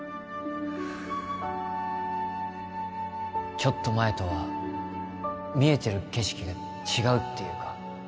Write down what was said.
ちょっと前とは見えてる景色が違うっていうか